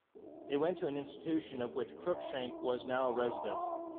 They went to an institution of which Crookshank was now a resident.